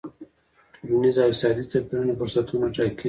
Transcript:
ټولنیز او اقتصادي توپیرونه فرصتونه ټاکي.